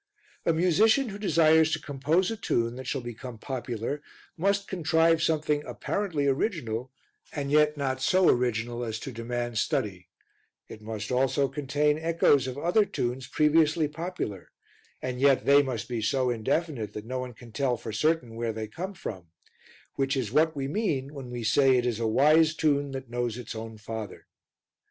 A musician who desires to compose a tune that shall become popular must contrive something apparently original and yet not so original as to demand study; it must also contain echoes of other tunes previously popular, and yet they must be so indefinite that no one can tell for certain where they come from, which is what we mean when we say it is a wise tune that knows its own father.